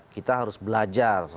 kita harus belajar